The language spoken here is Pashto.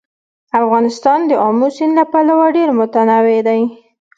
افغانستان د آمو سیند له پلوه ډېر متنوع دی.